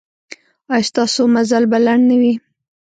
ایا ستاسو مزل به لنډ نه وي؟